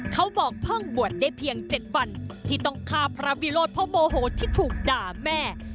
เขาบอกเพิ่งบวชได้เพียง๗วันที่ต้องฆ่าพระวิโรธเพราะโมโหที่ถูกด่าแม่